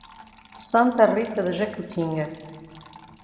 Santa Rita de Jacutinga